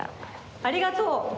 ありがとう。